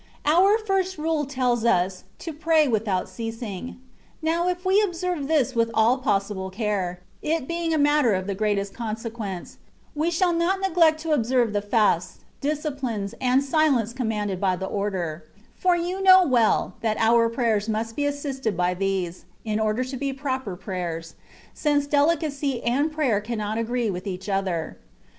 Our first rule tells us " to pray without ceasing.'^ Now if we observe this with all possible care, it being a matter of the greatest consequence, we shall not neglect to observe the fasts, disciplines, and silence commanded by the Order: for you know well, that our prayers must be assisted by these, in order to be proper prayers, since delicacy and prayer cannot agree with each other.